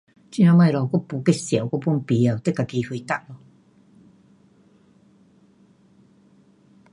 这东西我没去想，我 pun 甭晓。你自己回答。